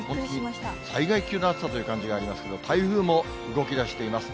災害級の暑さという感じがありますけど、台風も動きだしています。